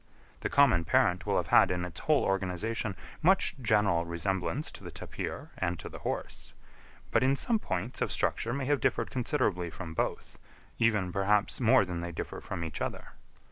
The common parent will have had in its whole organisation much general resemblance to the tapir and to the horse; but in some points of structure may have differed considerably from both, even perhaps more than they differ from each other.